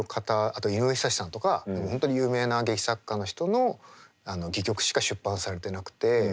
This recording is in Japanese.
あと井上ひさしさんとか本当に有名な劇作家の人の戯曲しか出版されてなくて。